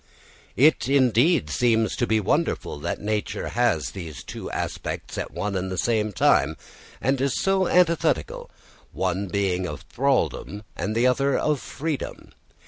It indeed seems to be wonderful that nature has these two aspects at one and the same time, and so antithetical one being of thraldom and the other of freedom.